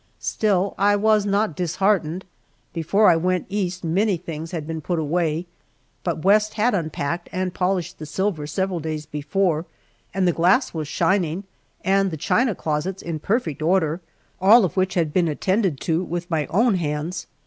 Still, I was not disheartened. Before I went East many things had been put away, but West had unpacked and polished the silver several days before, and the glass was shining and the china closets in perfect order, all of which had been attended to with my own hands.